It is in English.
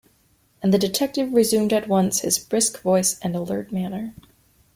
And the detective resumed at once his brisk voice and alert manner.